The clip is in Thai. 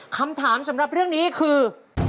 คำถามสำหรับเรื่องนี้คือ